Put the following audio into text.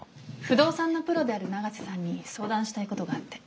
不動産のプロである永瀬さんに相談したいことがあって。